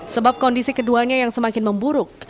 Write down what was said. sebab kondisi keduanya yang semakin memburuk